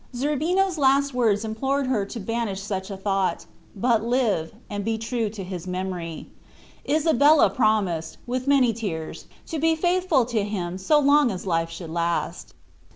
Zerbino's last words implored her to banish such a thought, but live, and be true to his memory. Isabella promised, with many tears, to be faithful to him so long as life should last.